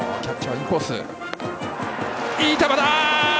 いい球だ！